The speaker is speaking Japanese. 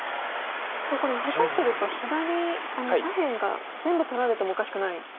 これ下手すると左左辺が全部取られてもおかしくない？